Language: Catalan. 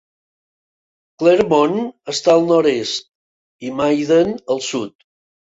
Clermont està al nord-est, i Maiden al sud.